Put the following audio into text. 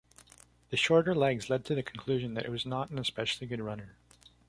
The shorter legs led to the conclusion that it was not an especially good runner.